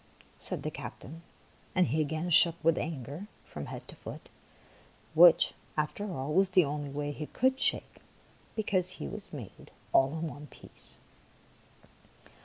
" said the captain ; and he again shook with anger from head to foot, which, after all, was the only way he could shake, because he was made all in one piece.